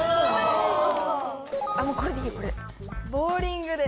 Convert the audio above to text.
・これでいいこれ・ボウリングで。